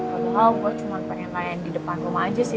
padahal gue cuma pengen layan di depan rumah aja sih